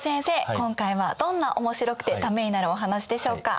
今回はどんなおもしろくてためになるお話でしょうか？